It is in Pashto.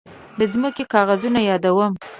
د ځمکې کاغذونه يادوم.